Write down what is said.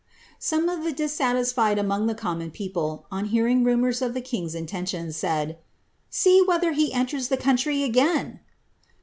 Some of the dissatisfied among the common people, on hearing rumours of the king's intentions, said, ^ See whether he enters the country again